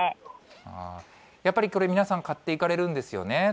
やっぱりこれ皆さん、買っていかれるんですね。